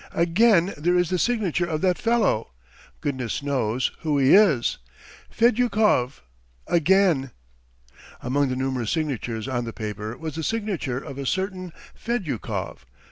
Again there is the signature of that fellow, goodness knows who he is! Fedyukov! Again!" Among the numerous signatures on the paper was the signature of a certain Fedyukov.